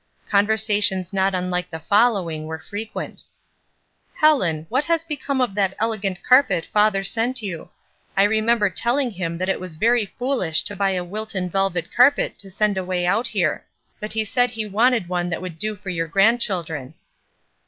Conversations not unUke the following were frequent :—^' Helen, what has become of that elegant carpet father sent you? I remember telling him that it was very foohsh to buy a Wilton velvet carpet to send away out here; but he said he wanted one that would do for your grand children."